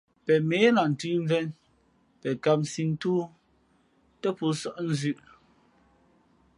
Pen měh lah ntʉ̌mvēn, pen kāmsī ntóó tά pō nsάʼ nzʉ̄ʼ.